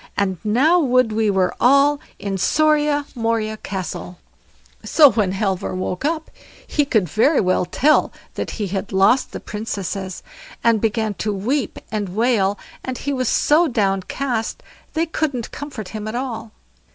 and now would we were all in SORIA MORIA CASTLE." So when Halvor woke up, he could very well tell that he had lost the Princesses, and began to weep and wail; and he was so downcast, they couldn't comfort him at all.